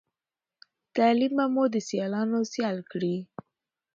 تعليم به مو د سیالانو سيال کړی